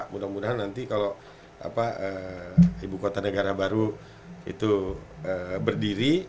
mudah mudahan nanti kalau ibu kota negara baru itu berdiri